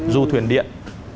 du thuyền điện